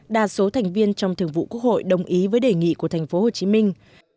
đa số thành viên trong thường vụ quốc hội đồng ý với đề nghị của thành phố hồ chí minh